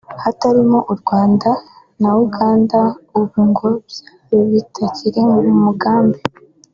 hatarimo u Rwanda na Uganda ubu ngo byo bitakiri mu mugambi